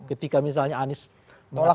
ketika misalnya anies mengatakan